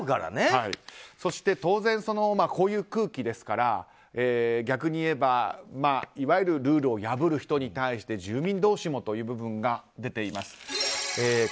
当然、こういう空気ですから逆に言えば、いわゆるルールを破る人に対して住民同士もという部分が出ています。